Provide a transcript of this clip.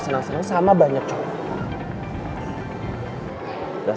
riri masih bergaul sama banyak cowok